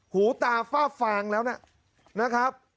หูตาฝ้าฟางแล้วนะครับ